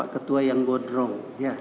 ketua yang godrong